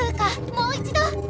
もう一ど！